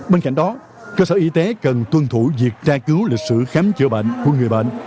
bên cạnh đó cơ sở y tế cần tuân thủ việc tra cứu lịch sử khám chữa bệnh của người bệnh